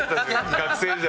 学生時代。